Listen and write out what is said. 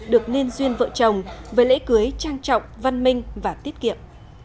được liên duyên vợ chồng với lễ cưới trang trọng văn minh và tiết kiệm